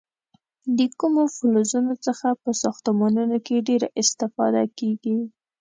د کومو فلزونو څخه په ساختمانونو کې ډیره استفاده کېږي؟